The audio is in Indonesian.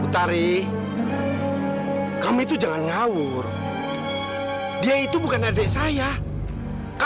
sampai jumpa di video selanjutnya